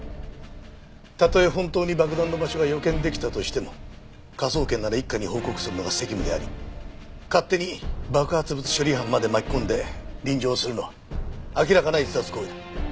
たとえ本当に爆弾の場所が予見出来たとしても科捜研なら一課に報告するのが責務であり勝手に爆発物処理班まで巻き込んで臨場するのは明らかな逸脱行為だ。